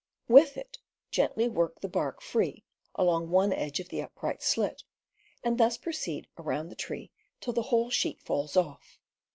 With it gently work the bark free along one edge of the upright slit, and thus pro ceed around the tree till the whole sheet falls off.